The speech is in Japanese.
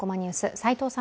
齋藤さん